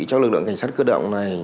cho lực lượng cảnh sát cơ động này